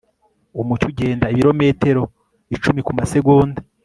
umucyo ugenda ibirometero icumikumasegonda